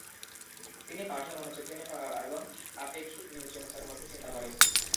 তিনি পাঠে মনোযোগ দেন এবং আপেক্ষিক নির্জনতার মধ্যে চিন্তা করেন।